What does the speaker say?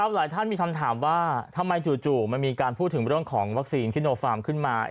หลายท่านมีคำถามว่าทำไมจู่มันมีการพูดถึงเรื่องของวัคซีนซิโนฟาร์มขึ้นมา